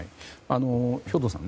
兵頭さん。